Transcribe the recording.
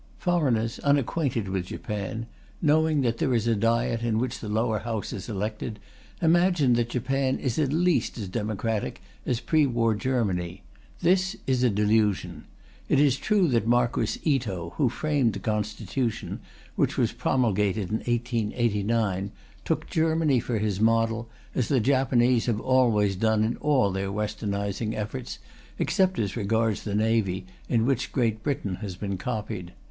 Foreigners unacquainted with Japan, knowing that there is a Diet in which the Lower House is elected, imagine that Japan is at least as democratic as pre war Germany. This is a delusion. It is true that Marquis Ito, who framed the Constitution, which was promulgated in 1889, took Germany for his model, as the Japanese have always done in all their Westernizing efforts, except as regards the Navy, in which Great Britain has been copied.